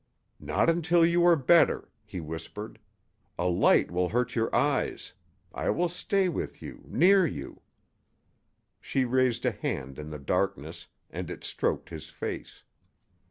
"Not until you are better," he whispered. "A light will hurt your eyes. I will stay with you near you " She raised a hand in the darkness, and it stroked his face.